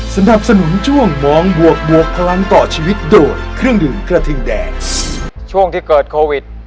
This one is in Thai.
สนับสนุนช่วงมองบวกบวกพลังต่อชีวิตโดยเครื่องดื่มกระทิงแดงช่วงที่เกิดโควิด